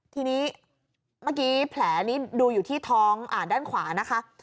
ทีนี้เมื่อกี้แผลนี้ดูอยู่ที่ท้องด้านขวานะคะ